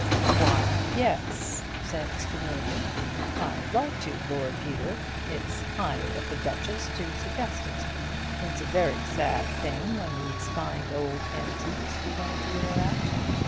"Why, yes," said Mr. Milligan, "I'd like to, Lord Peter. It's kind of the Duchess to suggest it. It's a very sad thing when these fine old antiques begin to wear out.